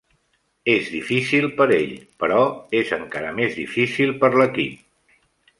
És difícil per ell, però és encara més difícil per l'equip.